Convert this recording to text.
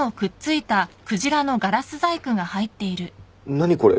何これ。